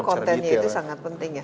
kontennya itu sangat penting ya